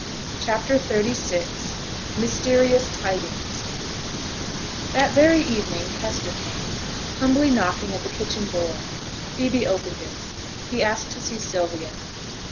CHAPTER XXXVI MYSTERIOUS TIDINGS That very evening Kester came, humbly knocking at the kitchen door. Phoebe opened it. He asked to see Sylvia.